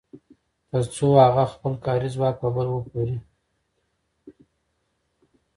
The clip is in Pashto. تر څو هغه خپل کاري ځواک په بل وپلوري